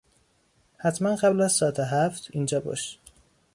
حتما قبل از ساعت هفت اینجا باش.